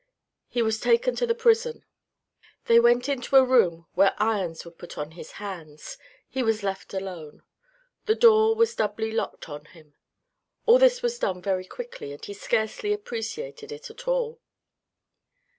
He was taken to the prison. They went into a room where irons were put on his hands. He was left alone. The door was doubly locked on him. All this was done very quickly, and he scarcely appreciated it at all.